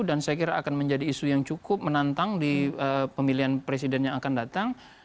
dan saya kira akan menjadi isu yang cukup menantang di pemilihan presiden yang akan datang